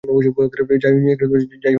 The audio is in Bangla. যাই হোক না কেন।